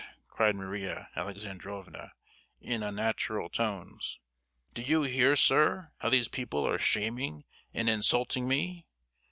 cried Maria Alexandrovna, in unnatural tones; "do you hear, sir, how these people are shaming and insulting me?